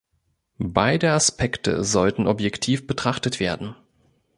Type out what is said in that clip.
Beide Aspekte sollten objektiv betrachtet werden.